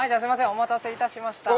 お待たせいたしました。